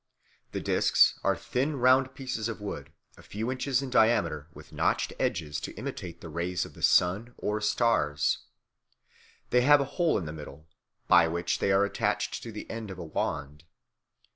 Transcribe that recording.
The discs are thin round pieces of wood, a few inches in diameter, with notched edges to imitate the rays of the sun or stars. They have a hole in the middle, by which they are attached to the end of a wand.